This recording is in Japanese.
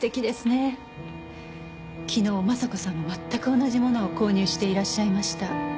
昨日昌子さんが全く同じものを購入していらっしゃいました。